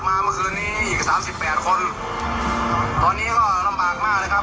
เมื่อคืนนี้อีกสามสิบแปดคนตอนนี้ก็ลำบากมากนะครับ